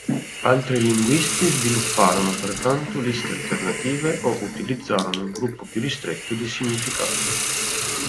Altri linguisti svilupparono pertanto liste alternative o utilizzarono un gruppo più ristretto di significati.